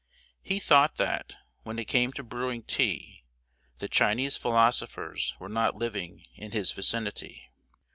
He thought that, when it came to brewing tea, the Chinese philosophers were not living in his vicinity.